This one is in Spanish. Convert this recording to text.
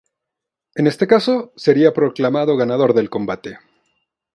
Es este caso, sería proclamado ganador del combate.